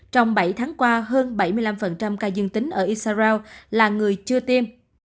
trong bảy tháng qua hơn bảy mươi năm ca dương tính ở isarao là người chưa tiêm